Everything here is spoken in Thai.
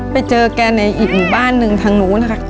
ไปเจอแกในอิ่มบ้านหนึ่งทางนู้นค่ะ